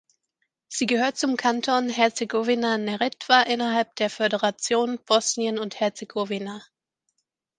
Sie gehört zum Kanton Herzegowina-Neretva innerhalb der Föderation Bosnien und Herzegowina.